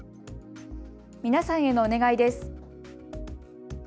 皆さんへのお願いです。